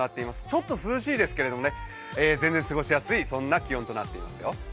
ちょっと涼しいですけれども全然過ごしやすいそんな気温となっていますよ。